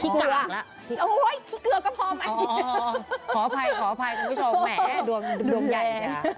ขออภัยดวงใหญ่